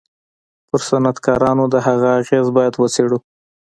پر صنعتکارانو د هغه اغېز بايد و څېړو.